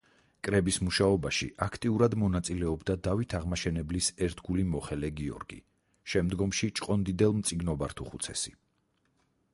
კრების მუშაობაში აქტიურად მონაწილეობდა დავით აღმაშენებლის ერთგული მოხელე გიორგი, შემდგომში ჭყონდიდელ-მწიგნობართუხუცესი.